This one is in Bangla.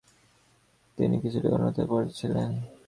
তিনি কিছুটা উন্নততর পর্যায়ে ছিলেন।